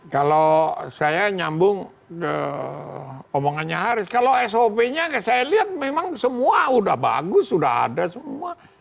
kalau saya nyambung ke omongannya haris kalau sop nya saya lihat memang semua sudah bagus sudah ada semua